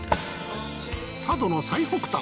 佐渡の最北端。